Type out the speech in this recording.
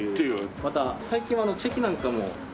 また最近はチェキなんかも。チェキ！？